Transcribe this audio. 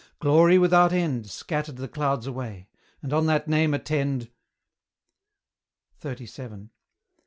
Glory without end Scattered the clouds away and on that name attend XXXVII.